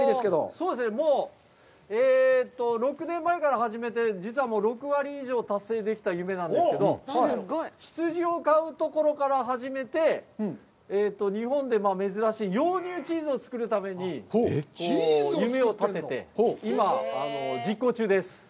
そうですね、もう６年前から始めて、実は６割以上、達成できた夢なんですけど、羊を飼うところから始めて、日本でも珍しい羊乳チーズを作るために夢をたてて、今、実行中です。